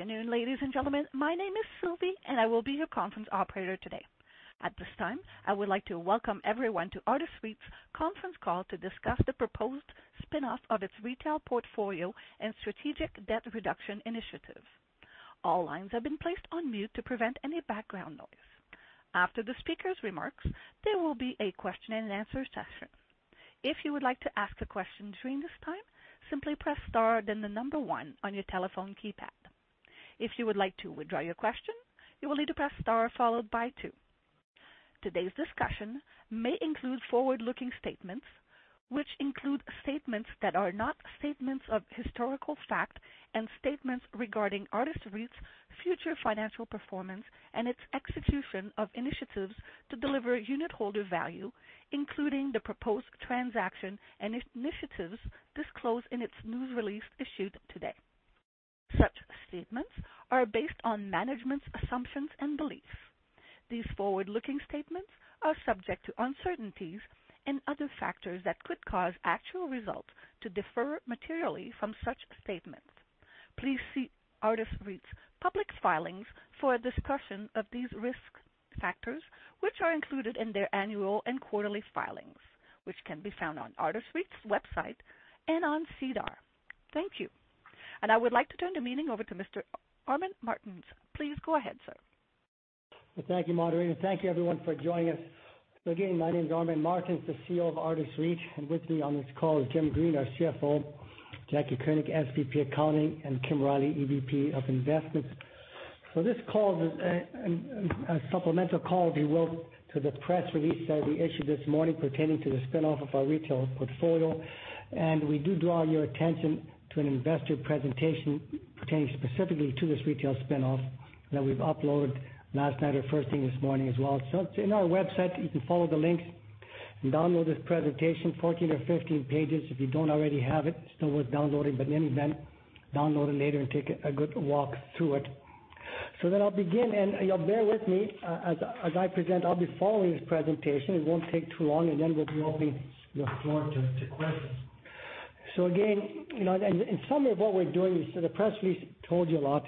Good afternoon, ladies and gentlemen. My name is Sylvie, and I will be your conference operator today. At this time, I would like to welcome everyone to Artis REIT's conference call to discuss the proposed spin-off of its retail portfolio and strategic debt reduction initiative. All lines have been placed on mute to prevent any background noise. After the speaker's remarks, there will be a Q&A session. If you would like to ask a question during this time, simply press star then the number one on your telephone keypad. If you would like to withdraw your question, you will need to press star followed by two. Today's discussion may include forward-looking statements, which include statements that are not statements of historical fact, and statements regarding Artis REIT's future financial performance and its execution of initiatives to deliver unitholder value, including the proposed transaction and initiatives disclosed in its news release issued today. Such statements are based on management's assumptions and beliefs. These forward-looking statements are subject to uncertainties and other factors that could cause actual results to differ materially from such statements. Please see Artis REIT's public filings for a discussion of these risk factors, which are included in their annual and quarterly filings, which can be found on Artis REIT's website and on SEDAR. Thank you. I would like to turn the meeting over to Mr. Armin Martens. Please go ahead, sir. Thank you, moderator. Thank you everyone for joining us. Again, my name is Armin Martens, the CEO of Artis REIT, and with me on this call is Jim Green, our CFO, Jaclyn Koenig, SVP, Accounting, and Kim Riley, EVP of Investments. This call is a supplemental call, if you will, to the press release that we issued this morning pertaining to the spin-off of our retail portfolio. We do draw your attention to an investor presentation pertaining specifically to this retail spin-off that we've uploaded last night or first thing this morning as well. It's in our website. You can follow the link and download this presentation, 14 or 15 pages. If you don't already have it's still worth downloading. In any event, download it later and take a good walk through it. I'll begin, and bear with me as I present. I'll be following this presentation. It won't take too long, and then we'll be opening the floor to questions. Again, in summary, what we're doing is, the press release told you a lot,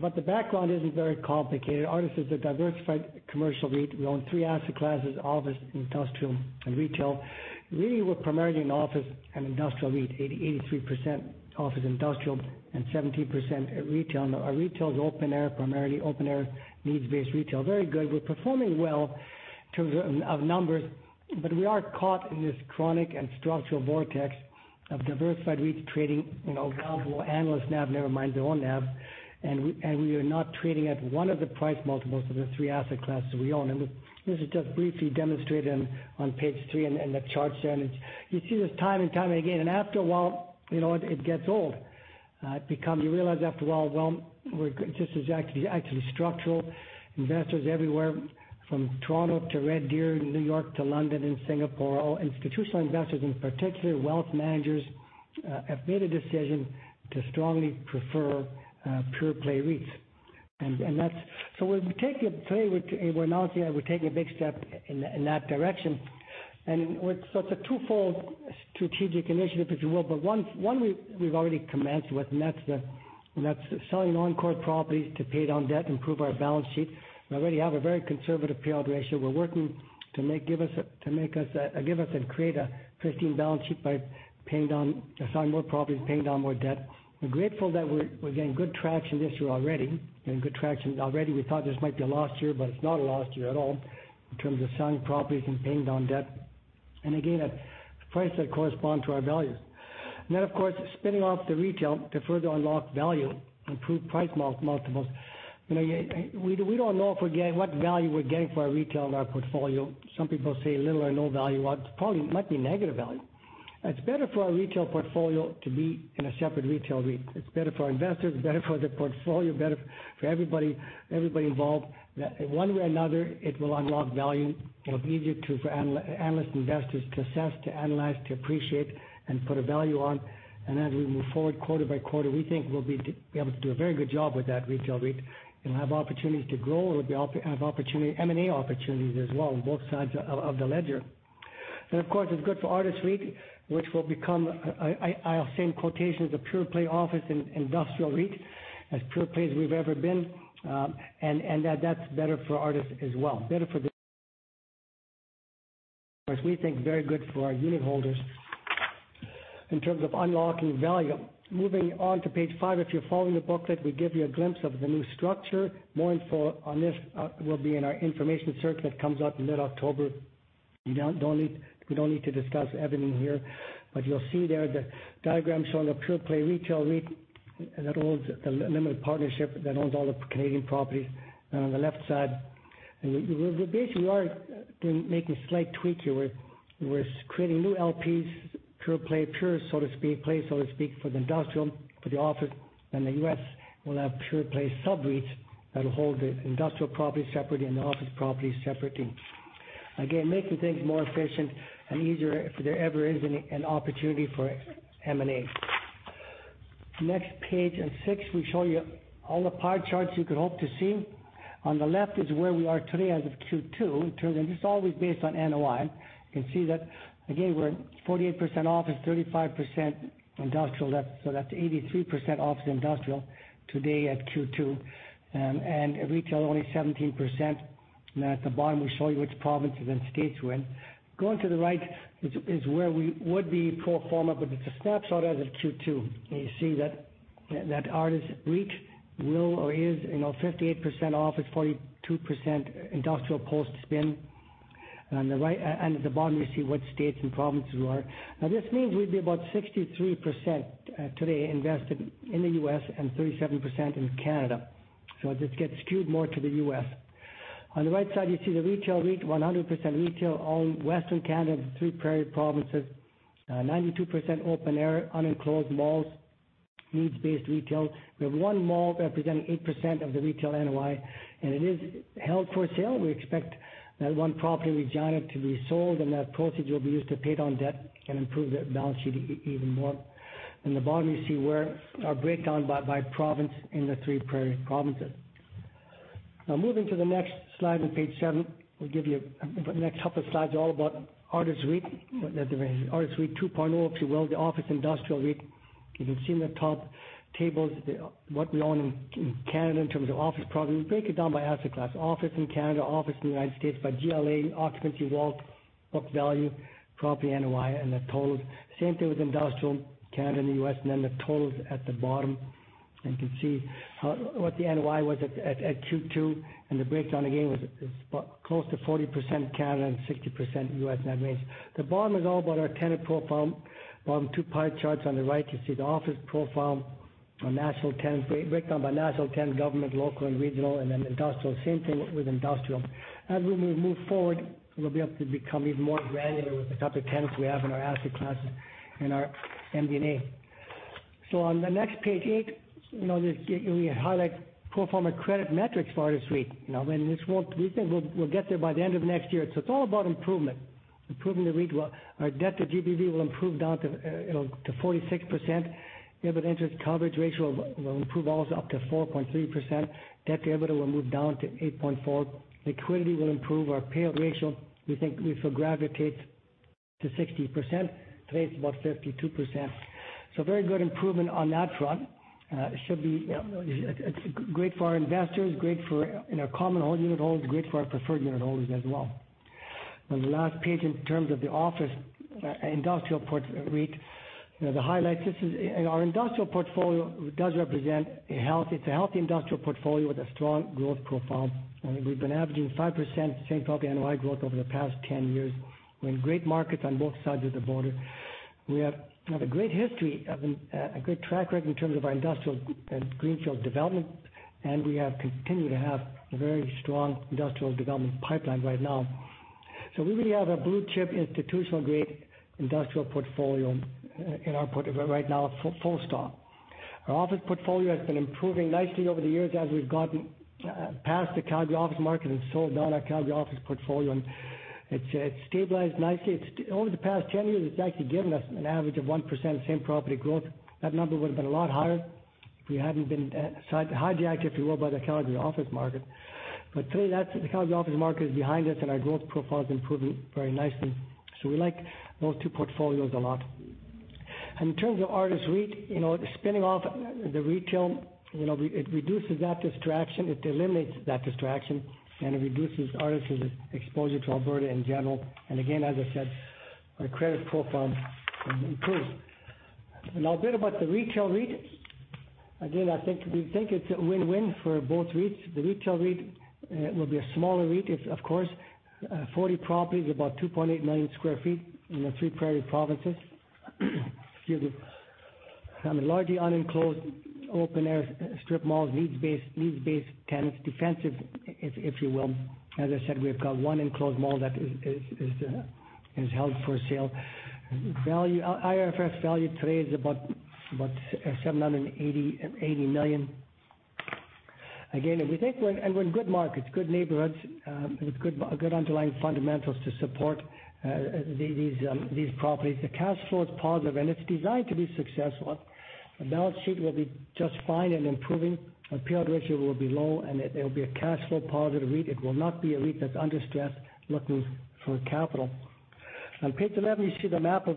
but the background isn't very complicated. Artis is a diversified commercial REIT. We own three asset classes: office, industrial, and retail. Really, we're primarily an office and industrial REIT, 83% office industrial and 17% retail. Now, our retail is open air, primarily open air, needs-based retail. Very good. We're performing well in terms of numbers, but we are caught in this chronic and structural vortex of diversified REITs trading below analyst NAV, never mind their own NAV, and we are not trading at one of the price multiples of the three asset classes we own. This is just briefly demonstrated on page three in the charts there. You see this time and time again. After a while, it gets old. You realize after a while, well, this is actually structural. Investors everywhere from Toronto to Red Deer, New York to London and Singapore, all institutional investors, in particular wealth managers, have made a decision to strongly prefer pure-play REITs. We're announcing that we're taking a big step in that direction. It's a twofold strategic initiative, if you will. One we've already commenced with, and that's selling non-core properties to pay down debt, improve our balance sheet. We already have a very conservative payout ratio. We're working to give us and create a pristine balance sheet by selling more properties, paying down more debt. We're grateful that we're getting good traction this year already. We thought this might be a lost year, but it's not a lost year at all in terms of selling properties and paying down debt. Again, at prices that correspond to our values. Then, of course, spinning off the retail to further unlock value, improve price multiples. We don't know what value we're getting for our retail in our portfolio. Some people say little or no value. Well, it probably might be negative value. It's better for our retail portfolio to be in a separate retail REIT. It's better for our investors, better for the portfolio, better for everybody involved. One way or another, it will unlock value. It'll be easier for analyst investors to assess, to analyze, to appreciate, and put a value on. As we move forward quarter-by-quarter, we think we'll be able to do a very good job with that retail REIT and have opportunities to grow. We'll have M&A opportunities as well on both sides of the ledger. Of course, it's good for Artis REIT, which will become, I'll say in quotations, a pure-play office and industrial REIT, as pure-play as we've ever been. That's better for Artis as well. Better for the course, we think very good for our unitholders in terms of unlocking value. Moving on to page five. If you're following the booklet, we give you a glimpse of the new structure. More info on this will be in our information circular that comes out in mid-October. We don't need to discuss everything here. You'll see there the diagram showing a pure-play retail REIT that holds the limited partnership that owns all the Canadian properties on the left side. We basically are making a slight tweak here where we're creating new LPs, pure play, so to speak, for the industrial, for the office. The U.S. will have pure-play sub-REITs that'll hold the industrial properties separately and the office properties separately. Again, making things more efficient and easier if there ever is an opportunity for M&A. Next page, on six, we show you all the pie charts you could hope to see. On the left is where we are today as of Q2 in terms of, this is always based on NOI. You can see that again, we're 48% office, 35% industrial, so that's 83% office industrial today at Q2. Retail only 17%. At the bottom, we show you which provinces and states we're in. Going to the right is where we would be pro forma, but it's a snapshot as of Q2. You see that Artis REIT will or is 58% office, 42% industrial post spin. At the bottom, you see what states and provinces we are. Now, this means we'd be about 63% today invested in the U.S. and 37% in Canada. This gets skewed more to the U.S. On the right side, you see the retail REIT, 100% retail, all Western Canada, the three Prairie provinces, 92% open air, unenclosed malls, needs-based retail. We have one mall representing 8% of the retail NOI, and it is held for sale. We expect that one property in Regina to be sold. That proceeds will be used to pay down debt and improve the balance sheet even more. In the bottom, you see where our breakdown by province in the three Prairie provinces. Moving to the next slide on page seven. We'll give you the next couple of slides are all about Artis REIT. Artis REIT 2.0, if you will, the office industrial REIT. You can see in the top tables what we own in Canada in terms of office property. We break it down by asset class, office in Canada, office in the United States by GLA, occupancy, WALT, book value, property NOI, and the totals. Same thing with industrial, Canada and the U.S., and then the totals at the bottom. You can see what the NOI was at Q2, and the breakdown again was close to 40% Canada and 60% U.S. in that range. The bottom is all about our tenant profile. Bottom two pie charts on the right, you see the office profile on national tenant, breakdown by national tenant, government, local and regional, and then industrial. Same thing with industrial. As we move forward, we'll be able to become even more granular with the type of tenants we have in our asset classes in our MD&A. On the next page eight, we highlight pro forma credit metrics for Artis REIT. This won't. We think we'll get there by the end of next year. It's all about improvement. Improving the REIT. Our debt to GBV will improve down to 46%. We have an interest coverage ratio will improve also up to 4.3%. Debt to EBITDA will move down to 8.4. Liquidity will improve our payout ratio. We think this will gravitate to 60%. Today, it's about 52%. Very good improvement on that front. It's great for our investors, great for our common unit holders, great for our preferred unit holders as well. On the last page, in terms of the office industrial port REIT, the highlights. This is our industrial portfolio. It does represent a healthy industrial portfolio with a strong growth profile. I mean, we've been averaging 5% same property NOI growth over the past 10 years. We're in great markets on both sides of the border. We have a great history of A good track record in terms of our industrial and greenfield development, and we have continued to have a very strong industrial development pipeline right now. We really have a blue-chip, institutional-grade industrial portfolio in our portfolio right now, full stop. Our office portfolio has been improving nicely over the years as we've gotten past the Calgary office market and sold down our Calgary office portfolio, and it's stabilized nicely. Over the past 10 years, it's actually given us an average of 1% same property growth. That number would've been a lot higher if we hadn't been hijacked, if you will, by the Calgary office market. Today that's the Calgary office market is behind us, and our growth profile has improved very nicely. We like those two portfolios a lot. In terms of Artis REIT, spinning off the retail, it reduces that distraction, it eliminates that distraction, and it reduces Artis' exposure to Alberta in general. Again, as I said, our credit profile can improve. A bit about the Retail REIT. I think we think it's a win-win for both REITs. The Retail REIT will be a smaller REIT. It's, of course, 40 properties about 2.8 million sq ft in the three Prairie Provinces. Excuse me. I mean, largely unenclosed, open-air strip malls, needs-based tenants, defensive, if you will. As I said, we've got one enclosed mall that is held for sale. Value, IFRS value today is about 780 million. We think we're in good markets, good neighborhoods with good underlying fundamentals to support these properties. The cash flow is positive, and it's designed to be successful. The balance sheet will be just fine and improving. Our payout ratio will be low, and it will be a cash flow positive REIT. It will not be a REIT that's under stress looking for capital. On page 11, you see the map of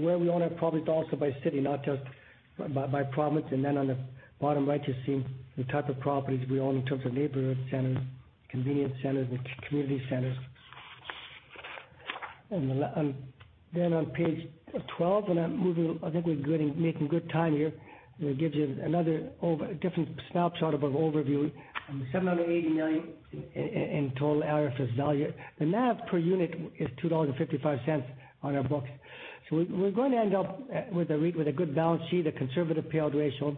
where we own our properties also by city, not just by province. On the bottom right, you see the type of properties we own in terms of neighborhood centers, convenience centers, and community centers. On page 12, and I'm moving. I think we're making good time here. It gives you another A different snapshot of an overview. 780 million in total IFRS value. The NAV per unit is 2.55 dollars on our books. We're going to end up with a REIT with a good balance sheet, a conservative payout ratio.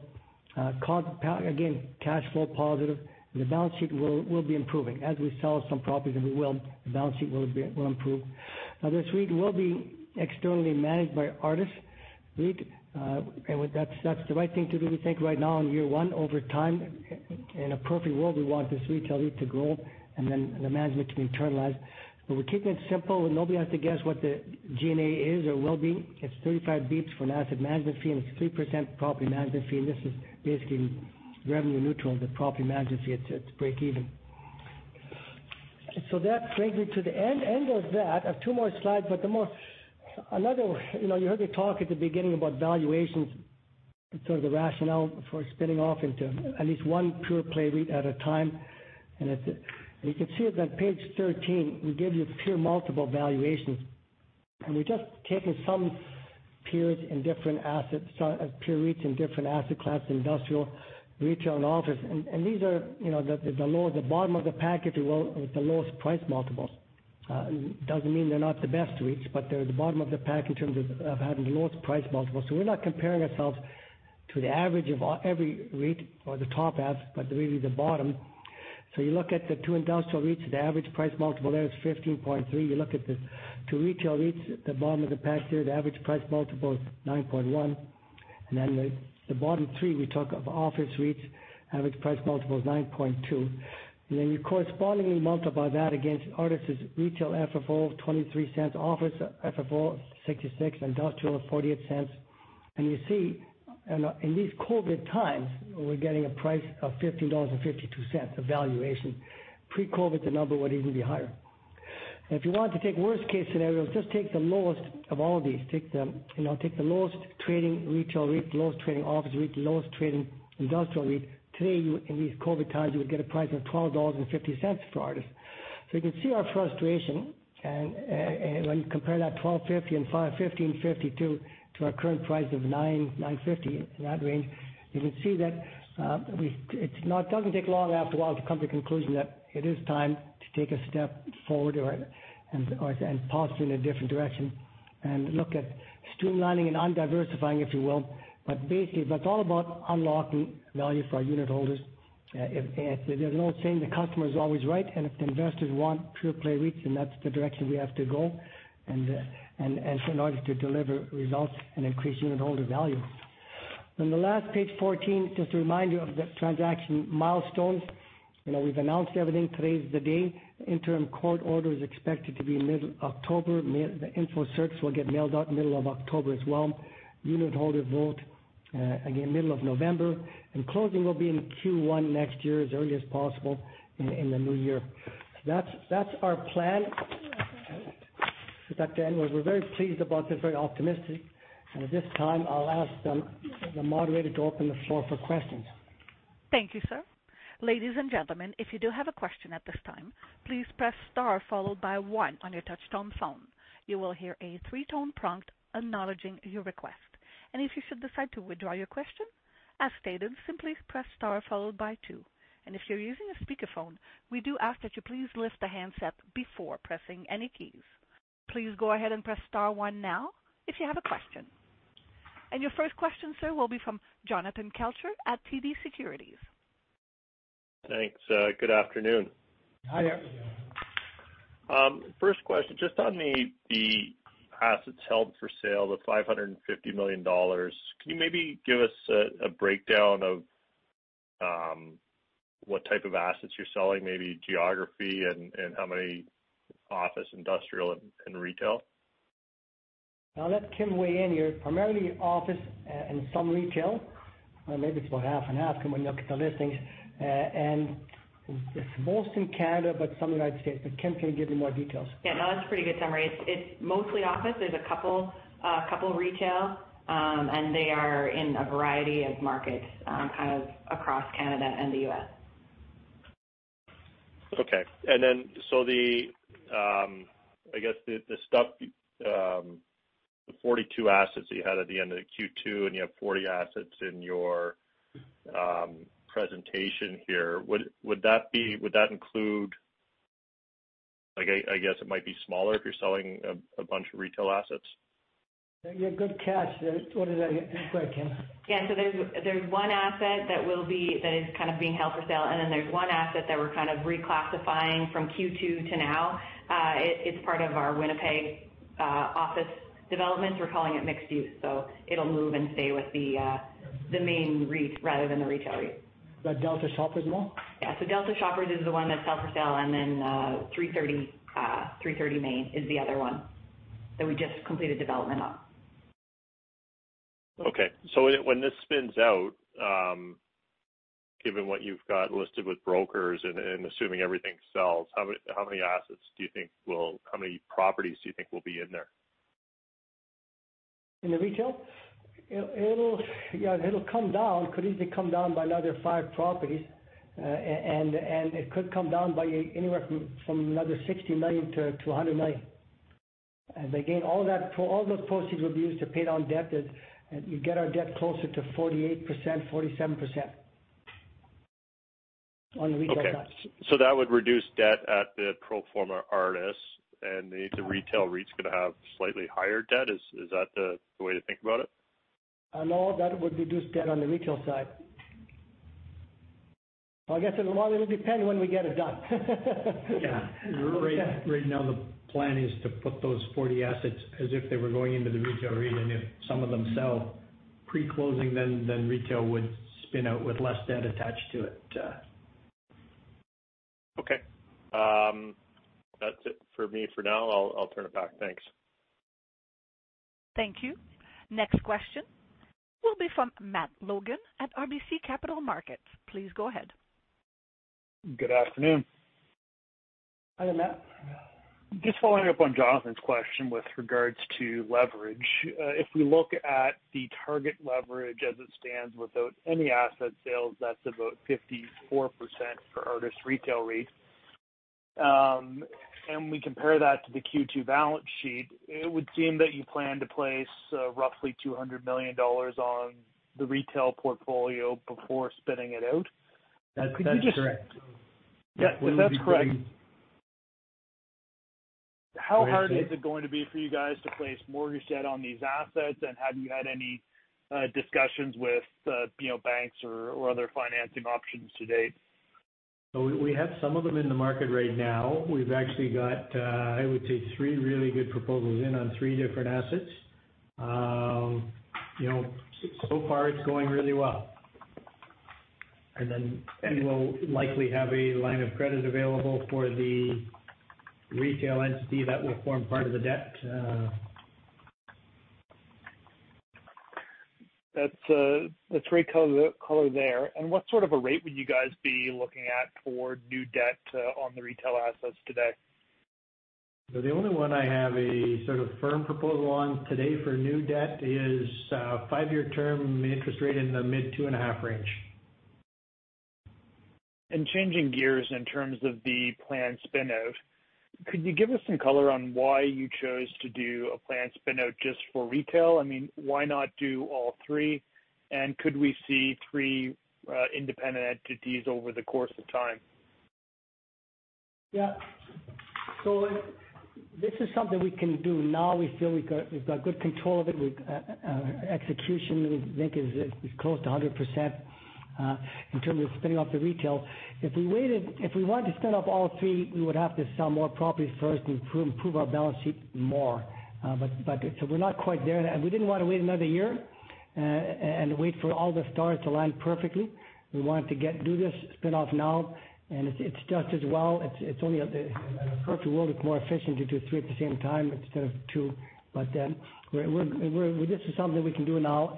Again, cash flow positive. The balance sheet will be improving. As we sell some properties, and we will, the balance sheet will improve. This REIT will be externally managed by Artis REIT. That's the right thing to do, we think right now in year one. Over time, in a perfect world, we want this retail REIT to grow and then the management can internalize. We're keeping it simple, and nobody has to guess what the G&A is or will be. It's 35 bps for an asset management fee, and it's 3% property management fee, this is basically revenue neutral. The property management fee, it's break even. That brings me to the end of that. I have two more slides. You heard me talk at the beginning about valuations, sort of the rationale for spinning off into at least one pure play REIT at a time. You can see it on page 13, we give you pure multiple valuations. We've just taken some pure REITs in different asset classes, industrial, retail, and office. These are the bottom of the pack, if you will, with the lowest price multiples. It doesn't mean they're not the best REITs, but they're the bottom of the pack in terms of having the lowest price multiples. We're not comparing ourselves to the average of every REIT or the top half, but really the bottom. You look at the two industrial REITs, the average price multiple there is 15.3x. You look at the two retail REITs at the bottom of the pack there, the average price multiple is 9.1x. The bottom three, we talk of office REITs, average price multiple is 9.2x. You correspondingly multiply that against Artis' retail FFO of 0.23, office FFO 0.66, industrial 0.48. You see in these COVID times, we're getting a price of 15.52 dollars, a valuation. Pre-COVID, the number would even be higher. If you wanted to take worst case scenarios, just take the lowest of all of these. Take the lowest trading retail REIT, the lowest trading office REIT, the lowest trading industrial REIT. Today, in these COVID times, you would get a price of 12.50 dollars for Artis. You can see our frustration. When you compare that 12.50 and 15.52 to our current price of 9-9.50, in that range, you can see that it doesn't take long after a while to come to the conclusion that it is time to take a step forward and pause in a different direction and look at streamlining and un-diversifying, if you will. Basically, it's all about unlocking value for our unit holders. There's an old saying, the customer's always right, and if the investors want pure play REITs, then that's the direction we have to go in order to deliver results and increase unit holder value. The last, page 14, just a reminder of the transaction milestones. We've announced everything. Today's the day. Interim court order is expected to be middle of October. The info circulars will get mailed out middle of October as well. Unit holder vote, again, middle of November. Closing will be in Q1 next year, as early as possible in the new year. That's our plan. With that, done, we're very pleased about this, very optimistic. At this time, I'll ask the moderator to open the floor for questions. Thank you, sir. Ladies and gentlemen, if you do have a question at this time, please press star followed by one on your touch-tone phone. You will hear a three-tone prompt acknowledging your request. If you should decide to withdraw your question, as stated, simply press star followed by two. If you're using a speakerphone, we do ask that you please lift the handset before pressing any keys. Please go ahead and press star one now if you have a question. Your first question, sir, will be from Jonathan Kelcher at TD Securities. Thanks. Good afternoon. Hi. First question, just on the assets held for sale, the 550 million dollars, can you maybe give us a breakdown of what type of assets you're selling, maybe geography and how many office, industrial, and retail? I'll let Kim weigh in here. Primarily office and some retail. Maybe it's about half and half when you look at the listings. It's mostly in Canada, but some in the United States. Kim can give you more details. Yeah, no, that's a pretty good summary. It's mostly office. There's a couple retail. They are in a variety of markets kind of across Canada and the U.S. Okay. I guess the 42 assets that you had at the end of the Q2, and you have 40 assets in your presentation here. Would that include, I guess it might be smaller if you're selling a bunch of retail assets? Yeah. Good catch. What is that? Go ahead, Kim. Yeah. There's one asset that is kind of being held for sale, and then there's one asset that we're kind of reclassifying from Q2 to now. It's part of our Winnipeg office development. We're calling it mixed use. It'll move and stay with the main REIT rather than the retail REIT. The Delta Shoppers Mall? Yeah. Delta Shoppers is the one that's held for sale, and 330 Main is the other one that we just completed development on. Okay. When this spins out, given what you've got listed with brokers and assuming everything sells, how many properties do you think will be in there? In the retail? It'll come down, could easily come down by another five properties. It could come down by anywhere from another 60 million-100 million. Again, all those proceeds will be used to pay down debt. You get our debt closer to 48%, 47% on retail assets. Okay. That would reduce debt at the pro forma Artis, and the retail REIT's going to have slightly higher debt? Is that the way to think about it? No, that would reduce debt on the retail side. Well, I guess it'll depend when we get it done. Yeah. Right now the plan is to put those 40 assets as if they were going into the Retail REIT. If some of them sell pre-closing, then Retail would spin out with less debt attached to it. Okay. That's it for me for now. I'll turn it back. Thanks. Thank you. Next question will be from Matt Logan at RBC Capital Markets. Please go ahead. Good afternoon. Hi there, Matt. Just following up on Jonathan's question with regards to leverage. If we look at the target leverage as it stands without any asset sales, that's about 54% for Artis Retail REIT. We compare that to the Q2 balance sheet, it would seem that you plan to place roughly 200 million dollars on the retail portfolio before spinning it out. Could you just. That's correct. Yeah. If that's correct. Go ahead, Jim. How hard is it going to be for you guys to place mortgage debt on these assets? Have you had any discussions with banks or other financing options to date? We have some of them in the market right now. We've actually got, I would say, three really good proposals in on three different assets. So far it's going really well. Then we will likely have a line of credit available for the retail entity that will form part of the debt. That's great color there. What sort of a rate would you guys be looking at for new debt on the retail assets today? The only one I have a sort of firm proposal on today for new debt is a five-year term interest rate in the mid 2.5% range. Changing gears in terms of the planned spin-out, could you give us some color on why you chose to do a planned spin-out just for retail? I mean, why not do all three? Could we see three independent entities over the course of time? Yeah. This is something we can do now. We feel we've got good control of it. Execution, we think is close to 100% in terms of spinning off the retail. If we wanted to spin off all three, we would have to sell more properties first and improve our balance sheet more. We're not quite there, and we didn't want to wait another year and wait for all the stars to align perfectly. We wanted to do this spin-off now, and it's just as well. In a perfect world, it's more efficient to do three at the same time instead of two. This is something we can do now,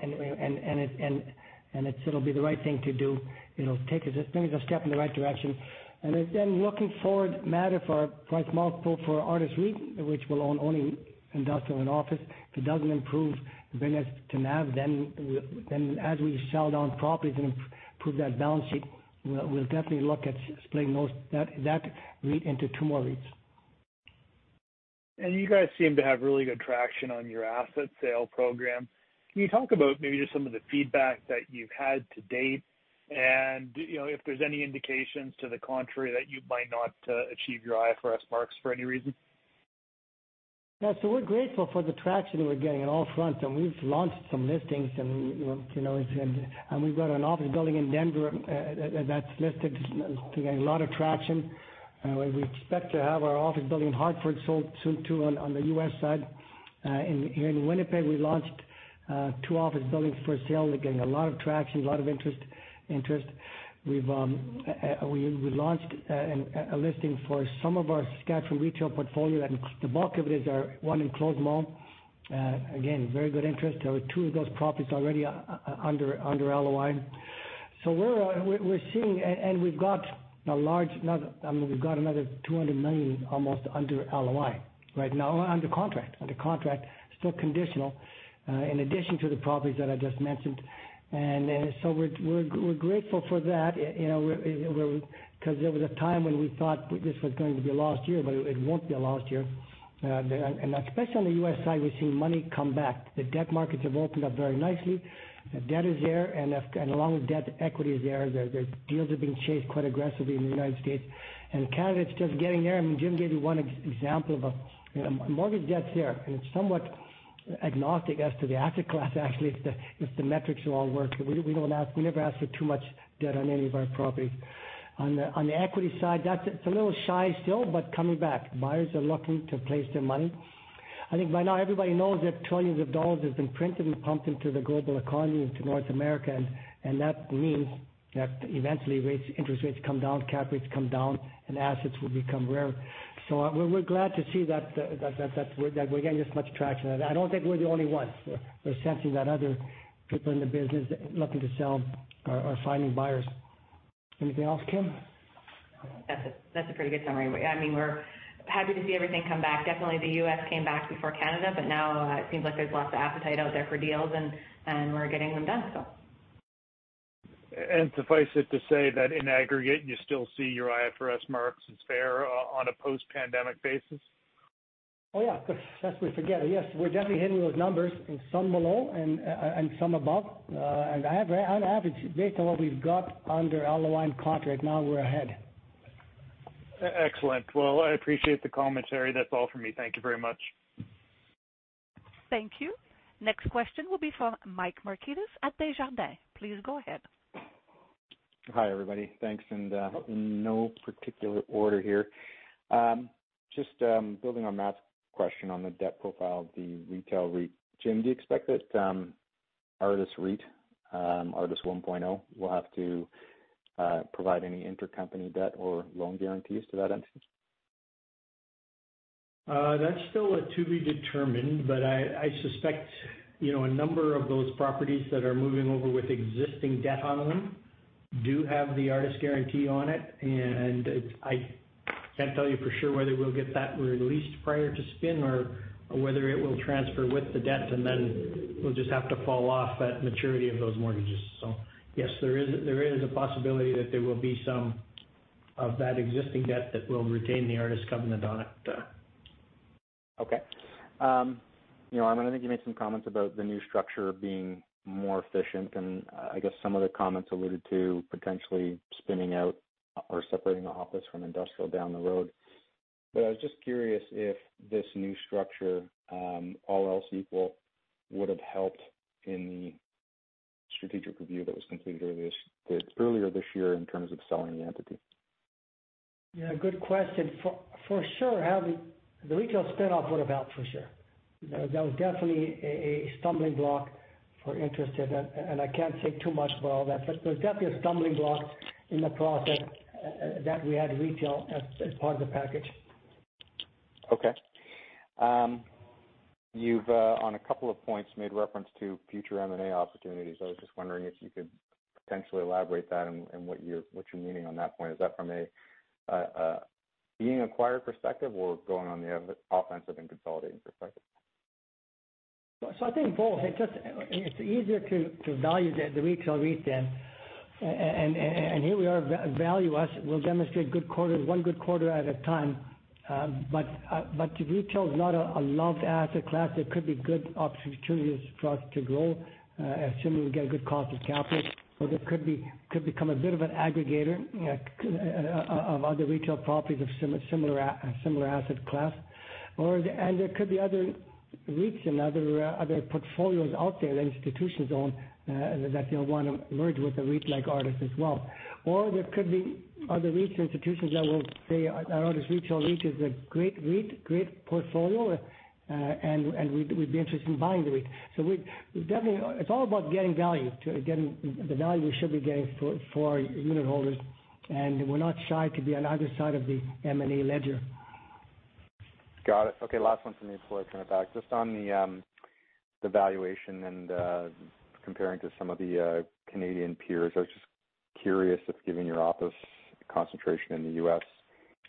and it'll be the right thing to do. It'll take us at least a step in the right direction. Looking forward, Matt, if our price multiple for Artis REIT, which will own only industrial and office, if it doesn't improve, bring us to NAV, then as we sell down properties and improve that balance sheet, we'll definitely look at splitting that REIT into two more REITs. You guys seem to have really good traction on your asset sale program. Can you talk about maybe just some of the feedback that you've had to date and if there's any indications to the contrary that you might not achieve your IFRS marks for any reason? We're grateful for the traction we're getting on all fronts, and we've launched some listings, and we've got an office building in Denver that's listed. It's been getting a lot of traction. We expect to have our office building in Hartford sold soon, too, on the U.S. side. Here in Winnipeg, we launched two office buildings for sale. They're getting a lot of traction, a lot of interest. We launched a listing for some of our Saskatchewan retail portfolio, and the bulk of it is our one enclosed mall. Again, very good interest. There were two of those properties already under LOI. We've got another 200 million almost under LOI right now, under contract. Still conditional, in addition to the properties that I just mentioned. We're grateful for that because there was a time when we thought this was going to be a lost year, but it won't be a lost year. Especially on the U.S. side, we've seen money come back. The debt markets have opened up very nicely. The debt is there, and along with debt, equity is there. Deals are being chased quite aggressively in the United States, and Canada's just getting there. I mean, Jim gave you one example of a mortgage debt there, and it's somewhat agnostic as to the asset class, actually. If the metrics will all work. We never ask for too much debt on any of our properties. On the equity side, it's a little shy still, but coming back. Buyers are looking to place their money. I think by now everybody knows that trillions of dollars has been printed and pumped into the global economy, into North America, and that means that eventually interest rates come down, cap rates come down, and assets will become rare. We're glad to see that we're getting this much traction, and I don't think we're the only ones. We're sensing that other people in the business looking to sell are finding buyers. Anything else, Kim? That's a pretty good summary. I mean, we're happy to see everything come back. Definitely the U.S. came back before Canada, but now it seems like there's lots of appetite out there for deals, and we're getting them done. Suffice it to say that in aggregate, you still see your IFRS marks as fair on a post-pandemic basis? Oh, yeah. Of course. As we forget. Yes. We're definitely hitting those numbers, some below and some above. On average, based on what we've got under LOI and contract now, we're ahead. Excellent. Well, I appreciate the commentary. That's all for me. Thank you very much. Thank you. Next question will be from Mike Markidis at Desjardins. Please go ahead. Hi, everybody. Thanks. No particular order here. Just building on Matt's question on the debt profile of the retail REIT. Jim, do you expect that Artis REIT, Artis 1.0, will have to provide any intercompany debt or loan guarantees to that entity? That's still to be determined, but I suspect a number of those properties that are moving over with existing debt on them do have the Artis guarantee on it. I can't tell you for sure whether we'll get that released prior to spin or whether it will transfer with the debt, and then we'll just have to fall off at maturity of those mortgages. Yes, there is a possibility that there will be some of that existing debt that will retain the Artis covenant on it. Okay. Armin, I think you made some comments about the new structure being more efficient, and I guess some of the comments alluded to potentially spinning out or separating the office from industrial down the road. I was just curious if this new structure, all else equal, would've helped in the strategic review that was completed earlier this year in terms of selling the entity. Yeah, good question. For sure, the retail spin-off would've helped for sure. That was definitely a stumbling block for interested. I can't say too much about all that, but it was definitely a stumbling block in the process that we had retail as part of the package. Okay. You've, on a couple of points, made reference to future M&A opportunities. I was just wondering if you could potentially elaborate that and what you're meaning on that point. Is that from a being acquired perspective or going on the offensive and consolidating perspective? I think both. It's easier to value the retail REIT then. Here we are, value us. We'll demonstrate one good quarter at a time. Retail is not a loved asset class. There could be good opportunities for us to grow, assuming we get a good cost of capital. This could become a bit of an aggregator of other retail properties of similar asset class. There could be other REITs and other portfolios out there that institutions own that they'll want to merge with a REIT like Artis as well. There could be other REIT institutions that will say, Artis Retail REIT is a great REIT, great portfolio, and we'd be interested in buying the REIT. It's all about getting value, getting the value we should be getting for our unit holders. We're not shy to be on either side of the M&A ledger. Got it. Okay, last one from me before I turn it back. Just on the valuation and comparing to some of the Canadian peers. I was just curious if, given your office concentration in the U.S.,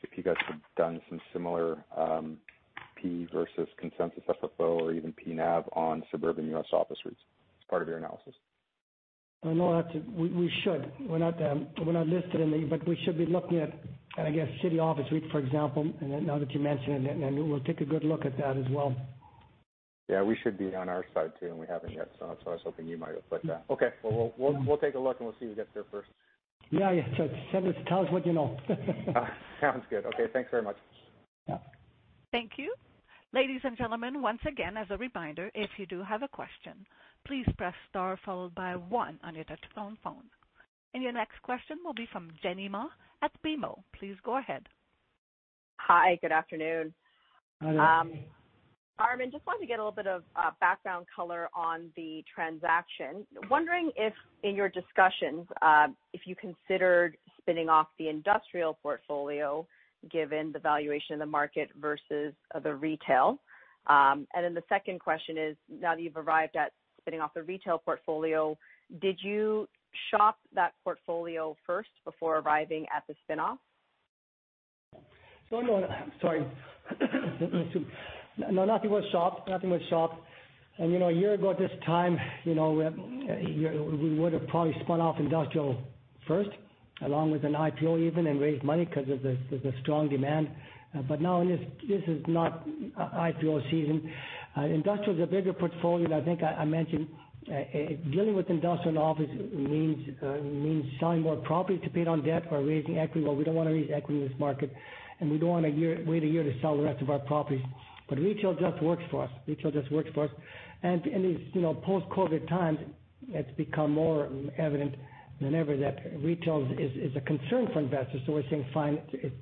if you guys have done some similar P versus consensus FFO or even P/NAV on suburban U.S. office REITs as part of your analysis. No, we should. We're not listed. We should be looking at, I guess, City Office REIT, for example. Now that you mention it, we'll take a good look at that as well. Yeah, we should be on our side, too, and we haven't yet. I was hoping you might have looked at that. We'll take a look, and we'll see who gets there first. Yeah. Tell us what you know. Sounds good. Okay, thanks very much. Yeah. Thank you. Ladies and gentlemen, once again, as a reminder, if you do have a question, please press star followed by one on your touch-tone phone. Your next question will be from Jenny Ma at BMO. Please go ahead. Hi, good afternoon. Hi, Jenny. Armin, just wanted to get a little bit of background color on the transaction. Wondering if, in your discussions, if you considered spinning off the industrial portfolio, given the valuation of the market versus the retail? The second question is, now that you've arrived at spinning off the retail portfolio, did you shop that portfolio first before arriving at the spin-off? No. Sorry. No, nothing was shopped. A year ago at this time, we would've probably spun off industrial first along with an IPO even, and raised money because there's a strong demand. Now, this is not IPO season. Industrial is a bigger portfolio, and I think I mentioned dealing with industrial and office means selling more properties to pay down debt or raising equity. We don't want to raise equity in this market, and we don't want to wait a year to sell the rest of our properties. Retail just works for us. In these post-COVID times, it's become more evident than ever that retail is a concern for investors. We're saying, fine.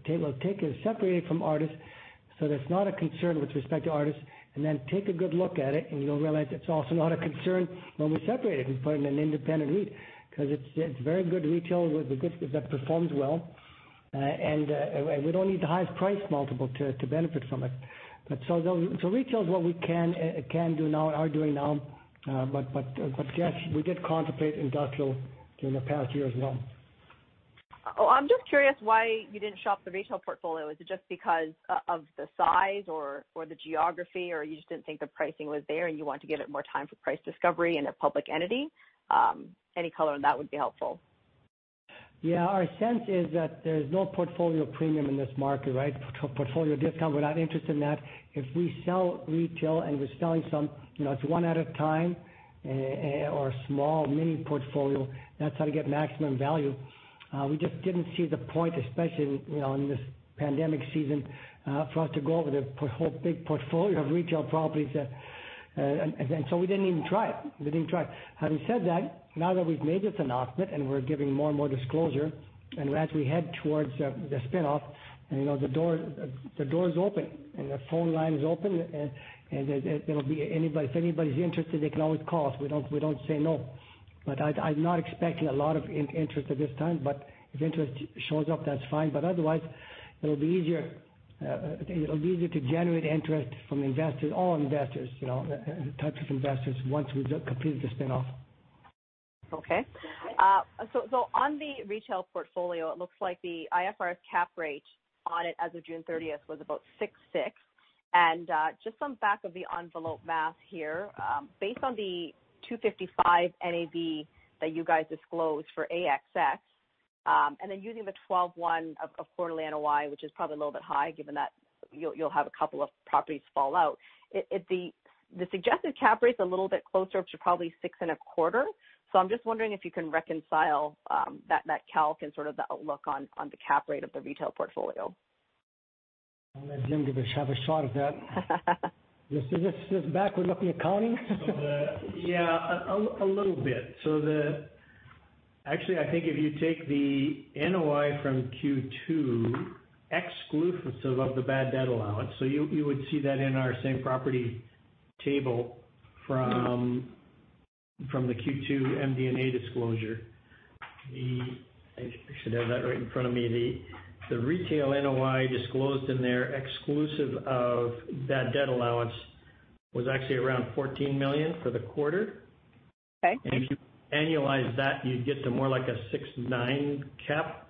We'll take it, separate it from Artis so that it's not a concern with respect to Artis, and then take a good look at it, and you'll realize it's also not a concern when we separate it and put it in an independent REIT because it's very good retail that performs well. We don't need the highest price multiple to benefit from it. Retail is what we can do now, are doing now. Yes, we did contemplate industrial during the past year as well. Oh, I'm just curious why you didn't shop the retail portfolio. Is it just because of the size or the geography, or you just didn't think the pricing was there, and you wanted to give it more time for price discovery in a public entity? Any color on that would be helpful. Yeah. Our sense is that there's no portfolio premium in this market, right? Portfolio discount, we're not interested in that. If we sell retail and we're selling some, it's one at a time or a small mini portfolio. That's how to get maximum value. We just didn't see the point, especially in this pandemic season, for us to go over the whole big portfolio of retail properties. We didn't even try it. Having said that, now that we've made this announcement and we're giving more and more disclosure, and as we head towards the spin-off, the door is open, and the phone line is open. If anybody's interested, they can always call us. We don't say no. I'm not expecting a lot of interest at this time. If interest shows up, that's fine. Otherwise, it'll be easier to generate interest from investors, all investors, types of investors once we've completed the spin-off. Okay. On the retail portfolio, it looks like the IFRS cap rate on it as of June 30th was about 6.6%. Just some back of the envelope math here. Based on the 2.55 NAV that you guys disclosed for AXX, using the 12.1 of quarterly NOI, which is probably a little bit high given that you'll have a couple of properties fall out. The suggested cap rate's a little bit closer to probably 6.25%. I'm just wondering if you can reconcile that calc and sort of the outlook on the cap rate of the retail portfolio. I'll let Jim have a shot at that. This is backward-looking accounting. Yeah. A little bit. Actually, I think if you take the NOI from Q2 exclusive of the bad debt allowance, so you would see that in our same property table from the Q2 MD&A disclosure. I should have that right in front of me. The retail NOI disclosed in there exclusive of bad debt allowance was actually around 14 million for the quarter. Okay. Thank you. If you annualize that, you'd get to more like a 6.9% cap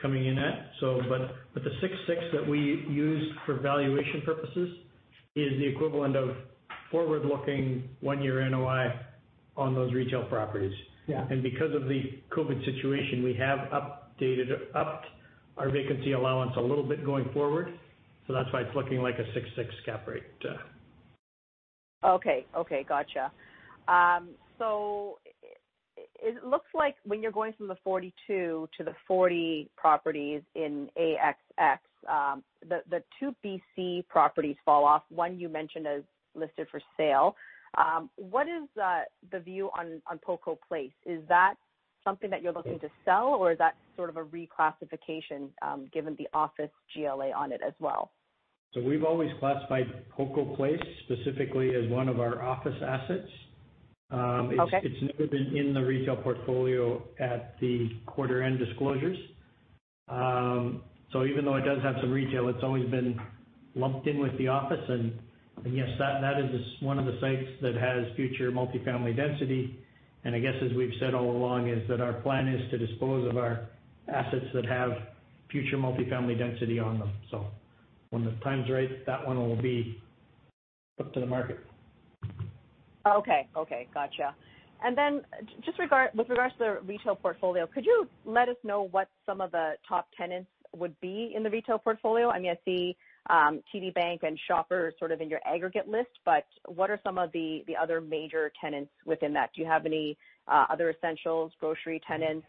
coming in at. The 6.6% that we use for valuation purposes is the equivalent of forward-looking one-year NOI on those retail properties. Yeah. Because of the COVID situation, we have upped our vacancy allowance a little bit going forward. That's why it's looking like a 6.6% cap rate. Okay. Gotcha. It looks like when you're going from the 42 to the 40 properties in AXX. The two B.C. properties fall off. One you mentioned is listed for sale. What is the view on Poco Place? Is that something that you're looking to sell, or is that sort of a reclassification given the office GLA on it as well? We've always classified Poco Place specifically as one of our office assets. Okay. It's never been in the retail portfolio at the quarter end disclosures. Even though it does have some retail, it's always been lumped in with the office. Yes, that is one of the sites that has future multi-family density. I guess as we've said all along, is that our plan is to dispose of our assets that have future multi-family density on them. When the time's right, that one will be up to the market. Okay. Gotcha. Just with regards to the retail portfolio, could you let us know what some of the top tenants would be in the retail portfolio? I see TD Bank and Shoppers sort of in your aggregate list, but what are some of the other major tenants within that? Do you have any other essentials, grocery tenants,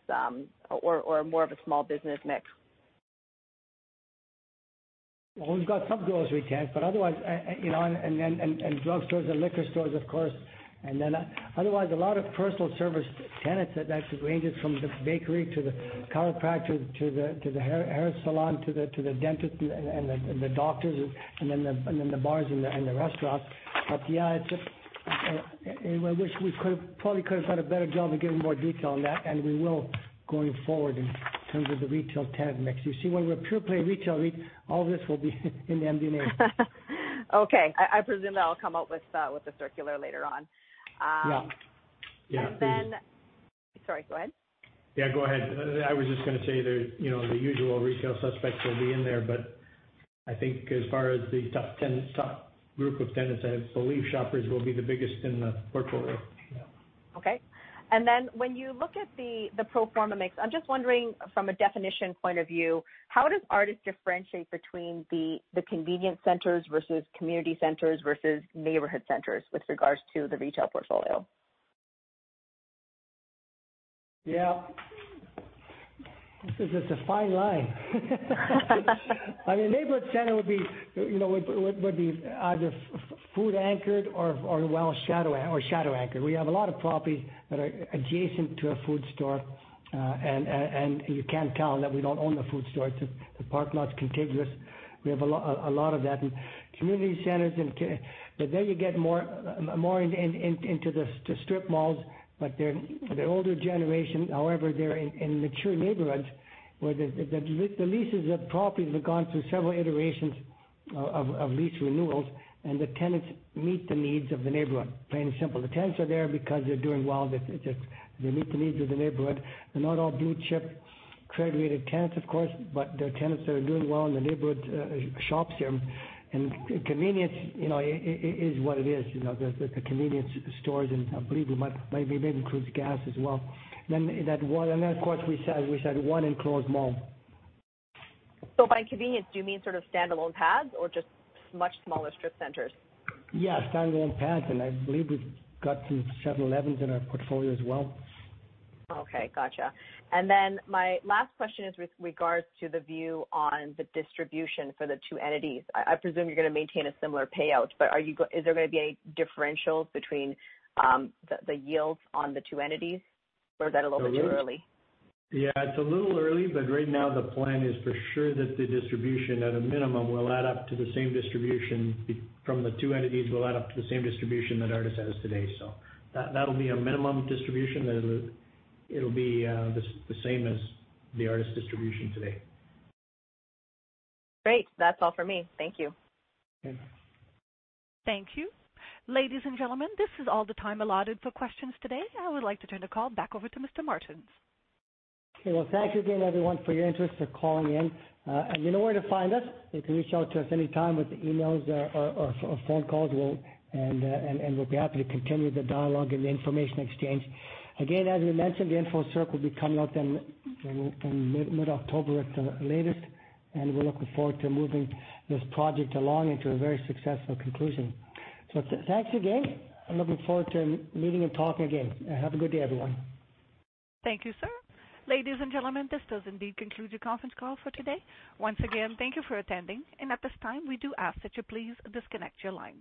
or more of a small business mix?` We've got some grocery tenants, and drugstores and liquor stores, of course. Otherwise, a lot of personal service tenants that ranges from the bakery to the chiropractor, to the hair salon, to the dentist and the doctors, and then the bars and the restaurants. Yeah, I wish we probably could have done a better job of giving more detail on that, and we will going forward in terms of the retail tenant mix. You see, when we're pure-play retail REIT, all this will be in the MD&A. Okay. I presume that'll come out with the circular later on. Yeah. Sorry, go ahead. Yeah, go ahead. I was just going to say the usual retail suspects will be in there, but I think as far as the top group of tenants, I believe Shoppers will be the biggest in the portfolio. Yeah. Okay. Then when you look at the pro forma mix, I'm just wondering from a definition point of view, how does Artis differentiate between the convenience centers versus community centers versus neighborhood centers with regards to the retail portfolio? Yeah. It's a fine line. A neighborhood center would be either food anchored or well shadow anchored. We have a lot of properties that are adjacent to a food store, and you can tell that we don't own the food store. The park lot's contiguous. We have a lot of that. Community centers, there you get more into the strip malls, but they're older generation. They're in mature neighborhoods where the leases of properties have gone through several iterations of lease renewals, and the tenants meet the needs of the neighborhood, plain and simple. The tenants are there because they're doing well. They meet the needs of the neighborhood. They're not all blue-chip, credit-rated tenants, of course, but they're tenants that are doing well in the neighborhood shops here. Convenience is what it is. The convenience stores, I believe it maybe includes gas as well. Of course, we said one enclosed mall. By convenience, do you mean sort of standalone pads or just much smaller strip centers? Yeah, standalone pads, and I believe we've got some 7-Eleven in our portfolio as well. Okay, gotcha. My last question is with regards to the view on the distribution for the two entities. I presume you're going to maintain a similar payout, but is there going to be any differentials between the yields on the two entities, or is that a little bit too early? It's a little early, but right now the plan is for sure that the distribution at a minimum from the two entities will add up to the same distribution that Artis has today. That'll be a minimum distribution. It'll be the same as the Artis distribution today. Great. That's all for me. Thank you. Yeah. Thank you. Ladies and gentlemen, this is all the time allotted for questions today. I would like to turn the call back over to Mr. Martens. Okay. Thank you again, everyone, for your interest for calling in. You know where to find us. You can reach out to us any time with emails or phone calls, and we'll be happy to continue the dialogue and the information exchange. Again, as we mentioned, the info circular will be coming out in mid-October at the latest, and we're looking forward to moving this project along into a very successful conclusion. Thanks again. I'm looking forward to meeting and talking again. Have a good day, everyone. Thank you, sir. Ladies and gentlemen, this does indeed conclude your conference call for today. Once again, thank you for attending. At this time, we do ask that you please disconnect your lines.